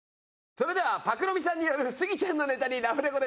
それでは朴美さんによるスギちゃんのネタにラフレコです。